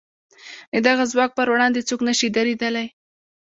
د دغه ځواک پر وړاندې څوک نه شي درېدلای.